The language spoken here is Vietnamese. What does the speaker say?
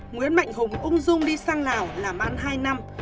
nguyễn mạnh hùng ung dung đi sang lào làm ăn hai năm